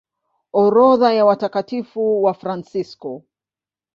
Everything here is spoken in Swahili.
Orodha ya Watakatifu Wafransisko